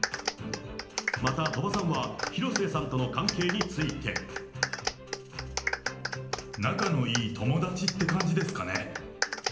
また、鳥羽さんは広末さんとの関係について。仲のいい友達って感じですかね。